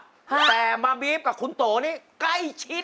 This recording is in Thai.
แต่มาบีฟกับคุณโตนี่ใกล้ชิด